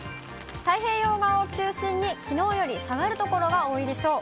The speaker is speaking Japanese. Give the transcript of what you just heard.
太平洋側を中心にきのうより下がる所が多いでしょう。